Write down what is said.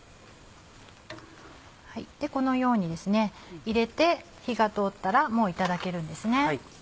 このように入れて火が通ったらもういただけるんです。